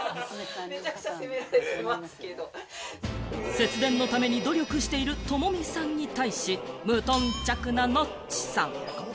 節電のために努力している友美さんに対し、無頓着なノッチさん。